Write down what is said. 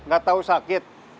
gak tau sakit